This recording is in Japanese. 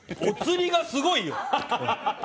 お釣りがすごいよ。